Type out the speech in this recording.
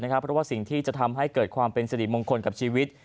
เพราะว่าสิ่งที่จะทำให้เกิดความเป็นสิริมงคลกับชีวิต